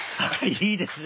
いいですね！